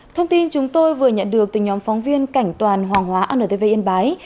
thông tin chúng tôi vừa nhận được từ nhóm phóng viên cảnh toàn hoàng hóa antv yên bái